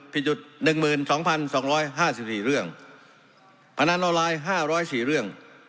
ผิดจุดหนึ่งหมื่นสองพันสองร้อยห้าสี่สี่เรื่องพนันออนไลน์ห้าร้อยสี่เรื่อง